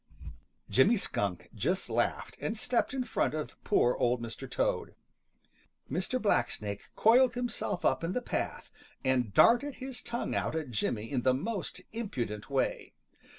Jimmy Skunk just laughed and stepped in front of poor Old Mr. Toad. Mr. Blacksnake coiled himself up in the path and darted his tongue out at Jimmy in the most impudent way.